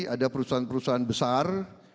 ada perusahaan perusahaan besar